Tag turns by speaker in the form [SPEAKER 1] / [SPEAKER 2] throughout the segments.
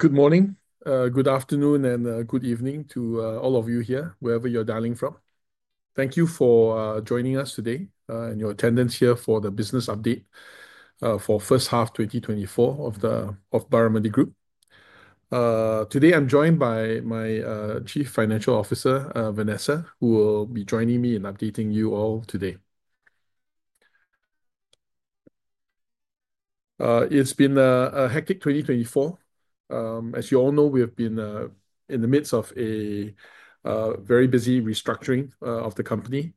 [SPEAKER 1] Good morning, good afternoon, and good evening to all of you here, wherever you're dialing from. Thank you for joining us today and your attendance here for the business update for the first half of 2024 of Barramundi Group. Today, I'm joined by my Chief Financial Officer, Vanessa, who will be joining me in updating you all today. It's been a hectic 2024. As you all know, we have been in the midst of a very busy restructuring of the company,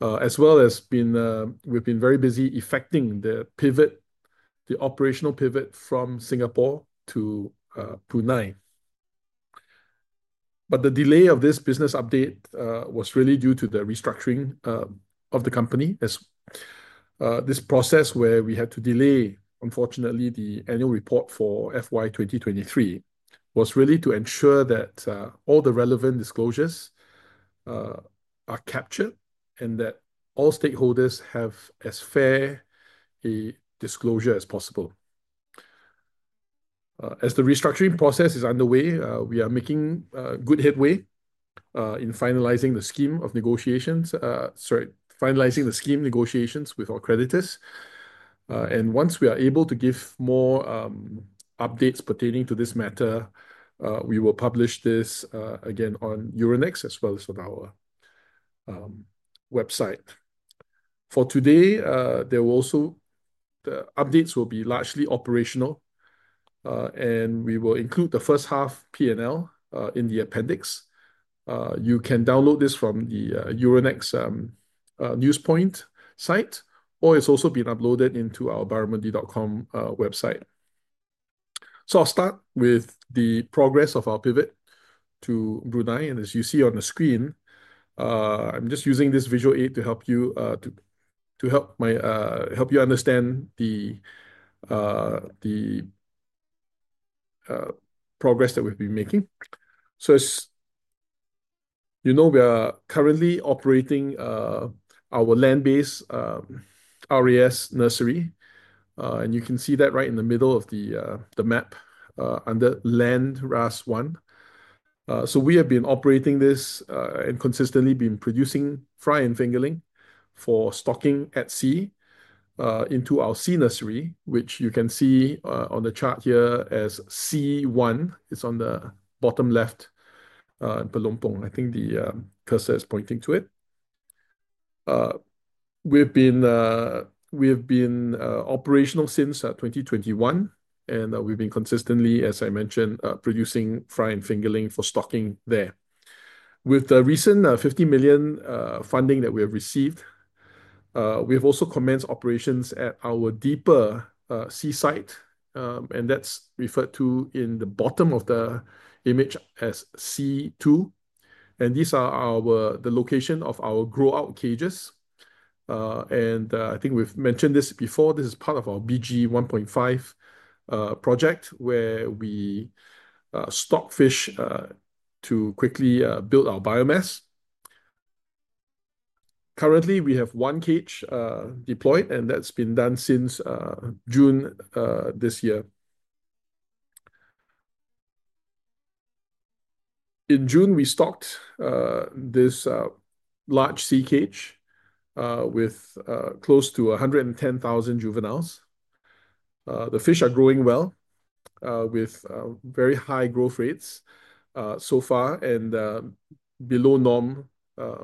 [SPEAKER 1] as well as we've been very busy effecting the pivot, the operational pivot from Singapore to Brunei. But the delay of this business update was really due to the restructuring of the company. This process, where we had to delay, unfortunately, the annual report for FY 2023, was really to ensure that all the relevant disclosures are captured and that all stakeholders have as fair a disclosure as possible. As the restructuring process is underway, we are making a good headway in finalizing the scheme of negotiations, sorry, finalizing the scheme negotiations with our creditors, and once we are able to give more updates pertaining to this matter, we will publish this again on Euronext as well as on our website. For today, the updates will be largely operational, and we will include the first half P&L in the appendix. You can download this from the Euronext NewsPoint site, or it's also been uploaded into our barramundi.com website, so I'll start with the progress of our pivot to Brunei, and as you see on the screen, I'm just using this visual aid to help you understand the progress that we've been making. As you know, we are currently operating our land-based RAS nursery, and you can see that right in the middle of the map under Land RAS One. We have been operating this and consistently been producing fry and fingerling for stocking at sea into our sea nursery, which you can see on the chart here as C1. It's on the bottom left, Pelumpong. I think the cursor is pointing to it. We've been operational since 2021, and we've been consistently, as I mentioned, producing fry and fingerling for stocking there. With the recent 50 million funding that we have received, we have also commenced operations at our deeper sea site, and that's referred to in the bottom of the image as C2. These are the locations of our grow-out cages. I think we've mentioned this before. This is part of our BG 1.5 project where we stock fish to quickly build our biomass. Currently, we have one cage deployed, and that's been done since June this year. In June, we stocked this large sea cage with close to 110,000 juveniles. The fish are growing well with very high growth rates so far and below norm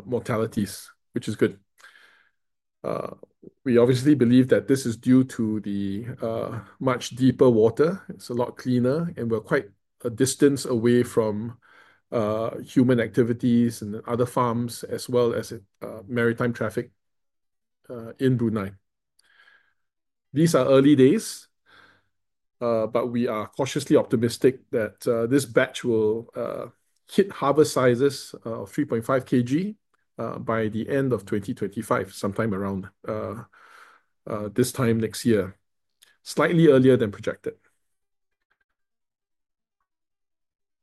[SPEAKER 1] mortalities, which is good. We obviously believe that this is due to the much deeper water. It's a lot cleaner, and we're quite a distance away from human activities and other farms, as well as maritime traffic in Brunei. These are early days, but we are cautiously optimistic that this batch will hit harvest sizes of 3.5 kg by the end of 2025, sometime around this time next year, slightly earlier than projected.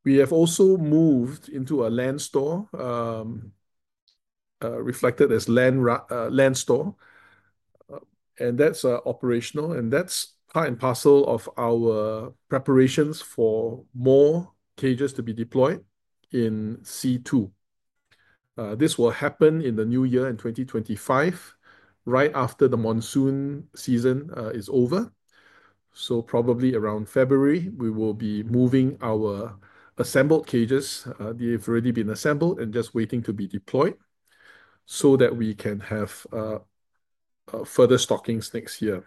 [SPEAKER 1] We have also moved into a land site, reflected as land site, and that's operational, and that's part and parcel of our preparations for more cages to be deployed in C2. This will happen in the new year in 2025, right after the monsoon season is over, so probably around February, we will be moving our assembled cages. They've already been assembled and just waiting to be deployed so that we can have further stockings next year.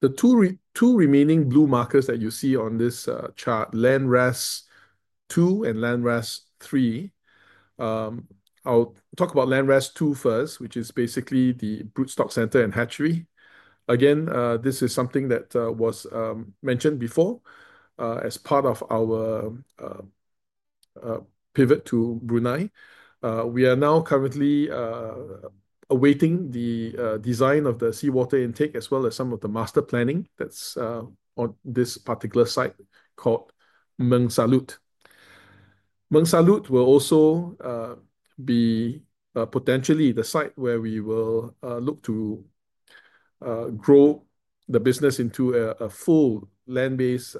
[SPEAKER 1] The two remaining blue markers that you see on this chart, Land RAS Two and Land RAS Three, I'll talk about Land RAS Two first, which is basically the broodstock center and hatchery. Again, this is something that was mentioned before as part of our pivot to Brunei. We are now currently awaiting the design of the seawater intake, as well as some of the master planning that's on this particular site called Mengsalut. Mengsalut will also be potentially the site where we will look to grow the business into a full land-based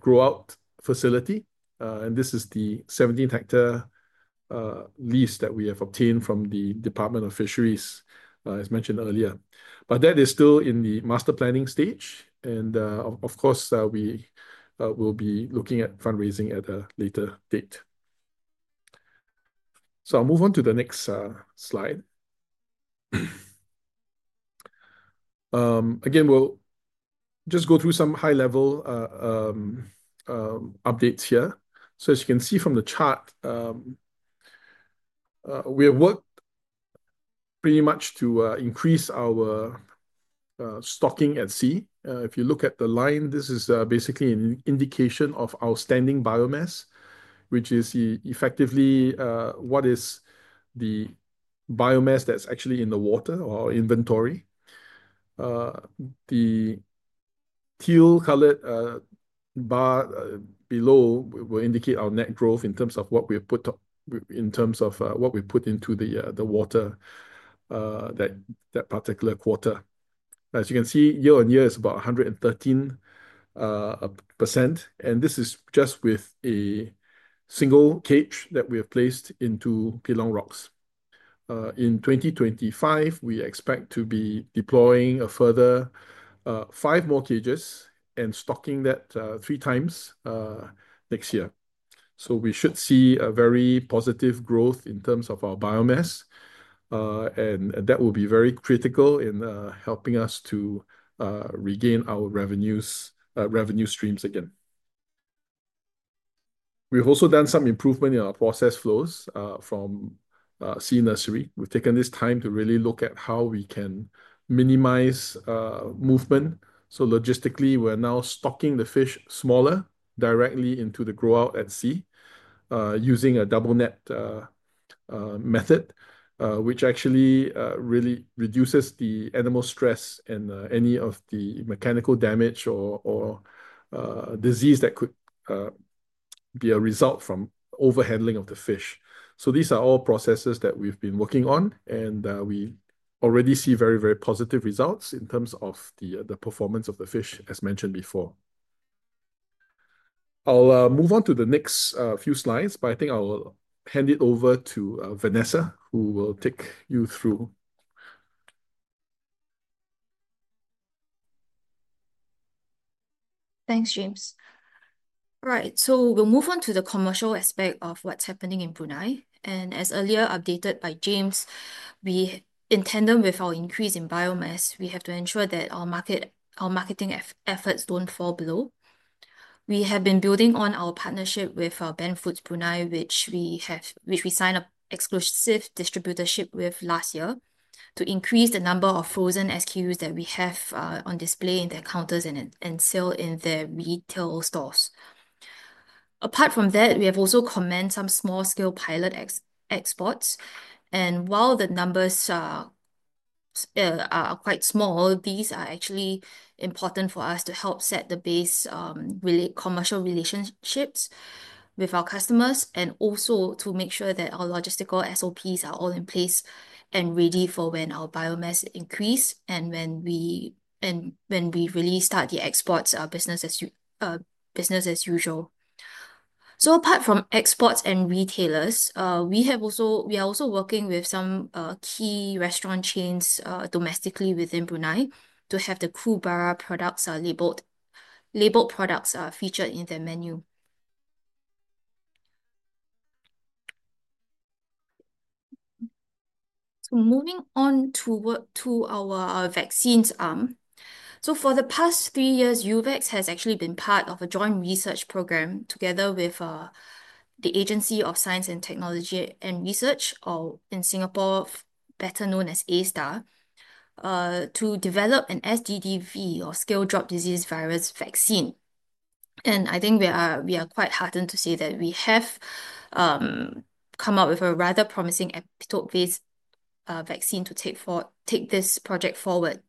[SPEAKER 1] grow-out facility. And this is the 17-hectare lease that we have obtained from the Department of Fisheries, as mentioned earlier. But that is still in the master planning stage. And of course, we will be looking at fundraising at a later date. So I'll move on to the next slide. Again, we'll just go through some high-level updates here. So as you can see from the chart, we have worked pretty much to increase our stocking at sea. If you look at the line, this is basically an indication of our standing biomass, which is effectively what is the biomass that's actually in the water or inventory. The teal-colored bar below will indicate our net growth in terms of what we put in terms of what we put into the water that particular quarter. As you can see, year on year is about 113%, and this is just with a single cage that we have placed into Pelong Rocks. In 2025, we expect to be deploying a further five more cages and stocking that three times next year, so we should see a very positive growth in terms of our biomass, and that will be very critical in helping us to regain our revenue streams again. We've also done some improvement in our process flows from sea nursery. We've taken this time to really look at how we can minimize movement. So logistically, we're now stocking the fish smaller directly into the grow-out at sea using a double net method, which actually really reduces the animal stress and any of the mechanical damage or disease that could be a result from overhandling of the fish. So these are all processes that we've been working on, and we already see very, very positive results in terms of the performance of the fish, as mentioned before. I'll move on to the next few slides, but I think I'll hand it over to Vanessa, who will take you through.
[SPEAKER 2] Thanks, James. All right, so we'll move on to the commercial aspect of what's happening in Brunei, and as earlier updated by James, in tandem with our increase in biomass, we have to ensure that our marketing efforts don't fall below. We have been building on our partnership with Ben Foods Brunei, which we signed an exclusive distributorship with last year to increase the number of frozen SKUs that we have on display in their counters and sell in their retail stores. Apart from that, we have also commenced some small-scale pilot exports, and while the numbers are quite small, these are actually important for us to help set the base commercial relationships with our customers and also to make sure that our logistical SOPs are all in place and ready for when our biomass increases and when we really start the exports business as usual. Apart from exports and retailers, we are also working with some key restaurant chains domestically within Brunei to have the Kühlbarra labeled products featured in their menu. Moving on to our vaccines. For the past three years, UVAXX has actually been part of a joint research program together with the Agency for Science, Technology and Research, or in Singapore, better known as A*STAR, to develop an SDDV, or Scale Drop Disease Virus vaccine. I think we are quite heartened to say that we have come up with a rather promising autogenous vaccine to take this project forward.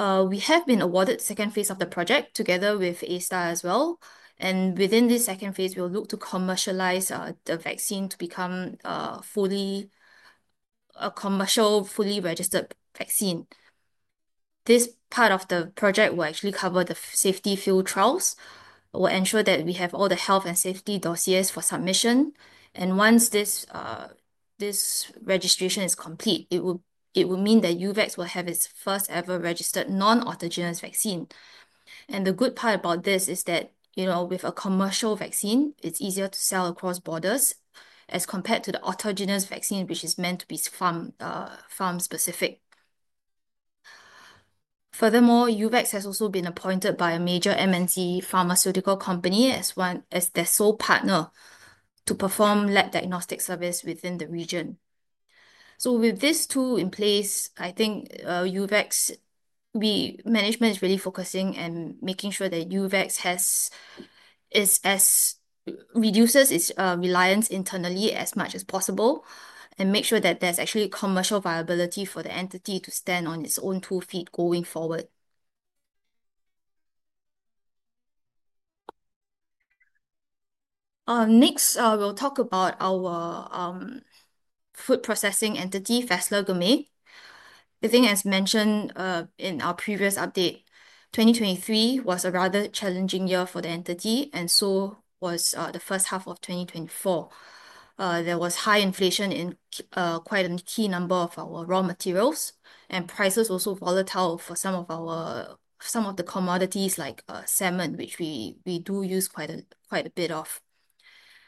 [SPEAKER 2] We have been awarded the second phase of the project together with A*STAR as well. Within this second phase, we'll look to commercialize the vaccine to become a commercial fully registered vaccine. This part of the project will actually cover the safety field trials, will ensure that we have all the health and safety dossiers for submission, and once this registration is complete, it will mean that UVAXX will have its first ever registered non-autogenous vaccine, and the good part about this is that with a commercial vaccine, it's easier to sell across borders as compared to the autogenous vaccine, which is meant to be farm-specific. Furthermore, UVAXX has also been appointed by a major MNC pharmaceutical company as their sole partner to perform lab diagnostic service within the region, so with this tool in place, I think management is really focusing and making sure that UVAXX reduces its reliance internally as much as possible and makes sure that there's actually commercial viability for the entity to stand on its own two feet going forward. Next, we'll talk about our food processing entity, Fassler Gourmet. I think, as mentioned in our previous update, 2023 was a rather challenging year for the entity, and so was the first half of 2024. There was high inflation in quite a key number of our raw materials, and prices were also volatile for some of the commodities like salmon, which we do use quite a bit of.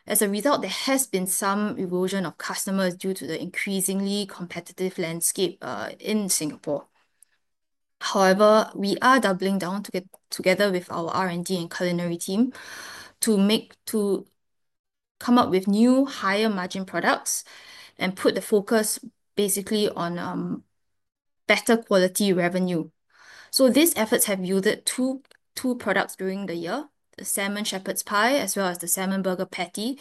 [SPEAKER 2] As a result, there has been some erosion of customers due to the increasingly competitive landscape in Singapore. However, we are doubling down together with our R&D and culinary team to come up with new higher-margin products and put the focus basically on better quality revenue. These efforts have yielded two products during the year, the Salmon Shepherd's Pie, as well as the Salmon Burger Patty,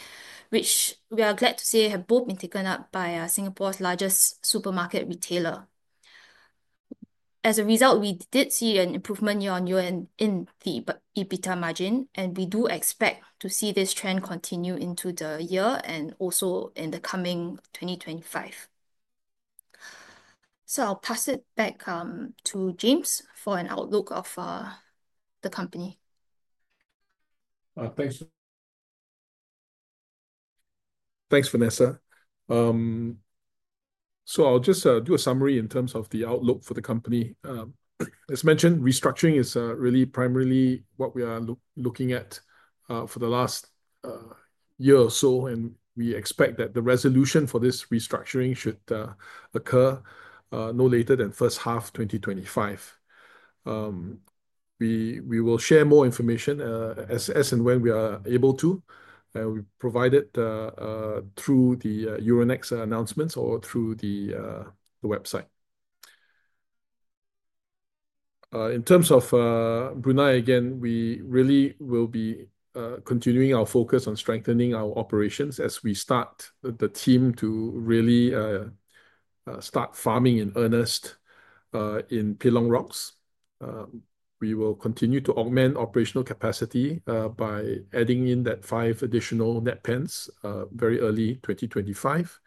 [SPEAKER 2] which we are glad to say have both been taken up by Singapore's largest supermarket retailer. As a result, we did see an improvement year on year in the EBITDA margin, and we do expect to see this trend continue into the year and also in the coming 2025. I'll pass it back to James for an outlook of the company.
[SPEAKER 1] Thanks. Thanks, Vanessa. So I'll just do a summary in terms of the outlook for the company. As mentioned, restructuring is really primarily what we are looking at for the last year or so, and we expect that the resolution for this restructuring should occur no later than first half 2025. We will share more information as and when we are able to, provided through the Euronext announcements or through the website. In terms of Brunei, again, we really will be continuing our focus on strengthening our operations as we start the team to really start farming in earnest in Pelong Rocks. We will continue to augment operational capacity by adding in that five additional net pens very early 2025,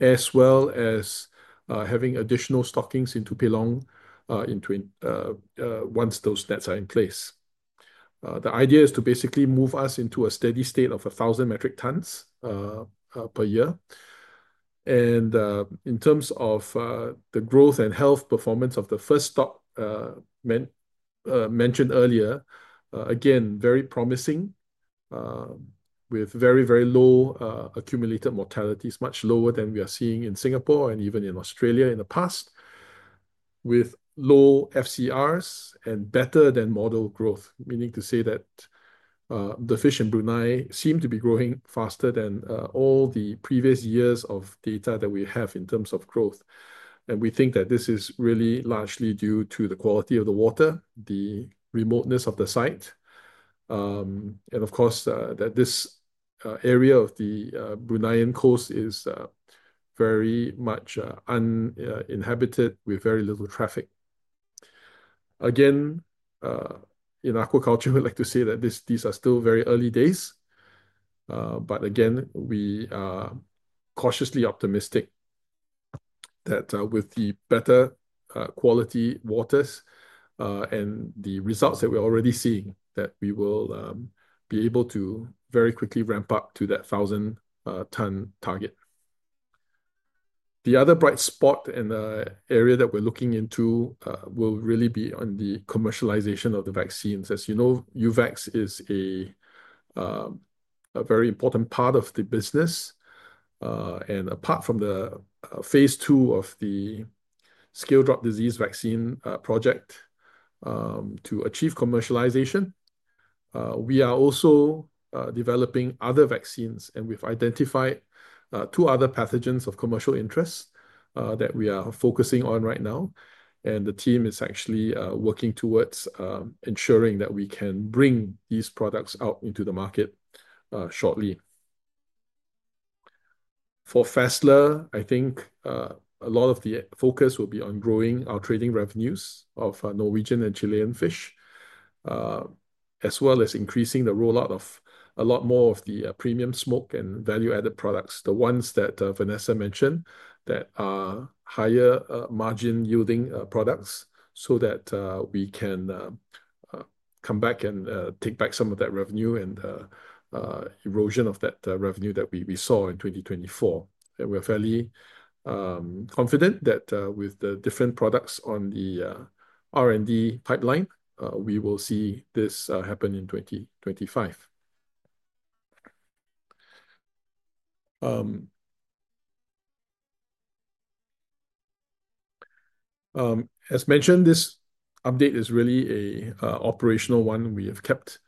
[SPEAKER 1] as well as having additional stockings into Pelong once those nets are in place. The idea is to basically move us into a steady state of 1,000 metric tons per year. In terms of the growth and health performance of the first stock mentioned earlier, again, very promising with very, very low accumulated mortalities, much lower than we are seeing in Singapore and even in Australia in the past, with low FCRs and better than model growth, meaning to say that the fish in Brunei seem to be growing faster than all the previous years of data that we have in terms of growth. We think that this is really largely due to the quality of the water, the remoteness of the site, and of course, that this area of the Bruneian coast is very much uninhabited with very little traffic. Again, in aquaculture, we'd like to say that these are still very early days. Again, we are cautiously optimistic that with the better quality waters and the results that we're already seeing, that we will be able to very quickly ramp up to that 1,000-ton target. The other bright spot in the area that we're looking into will really be on the commercialization of the vaccines. As you know, UVAXX is a very important part of the business. And apart from the phase two of the Scale Drop Disease Vaccine project to achieve commercialization, we are also developing other vaccines, and we've identified two other pathogens of commercial interest that we are focusing on right now. And the team is actually working towards ensuring that we can bring these products out into the market shortly. For Fassler, I think a lot of the focus will be on growing our trading revenues of Norwegian and Chilean fish, as well as increasing the rollout of a lot more of the premium smoked and value-added products, the ones that Vanessa mentioned that are higher margin yielding products so that we can come back and take back some of that revenue and erosion of that revenue that we saw in 2024, and we're fairly confident that with the different products on the R&D pipeline, we will see this happen in 2025. As mentioned, this update is really an operational one. We have kept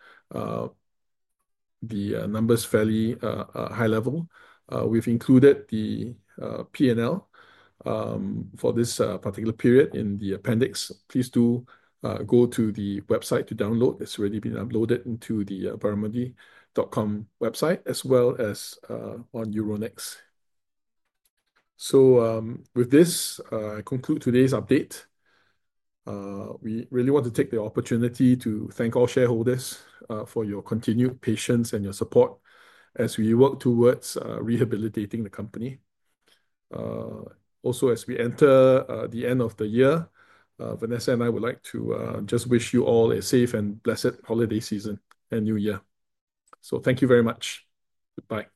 [SPEAKER 1] the numbers fairly high-level. We've included the P&L for this particular period in the appendix. Please do go to the website to download. It's already been uploaded into the barramundi.com website as well as on Euronext. With this, I conclude today's update. We really want to take the opportunity to thank all shareholders for your continued patience and your support as we work towards rehabilitating the company. Also, as we enter the end of the year, Vanessa and I would like to just wish you all a safe and blessed holiday season and New Year. So thank you very much. Goodbye.